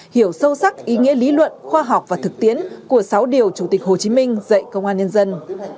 hiểu sâu sắc ý nghĩa lý luận khoa học và thực tiễn của sáu điều chủ tịch hồ chí minh dạy công an nhân dân